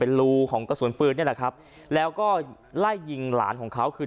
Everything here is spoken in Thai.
รูของกระสุนปืนนี่แหละครับแล้วก็ไล่ยิงหลานของเขาคือ